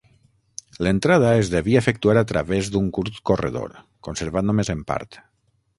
L'entrada es devia efectuar a través d'un curt corredor, conservat només en part.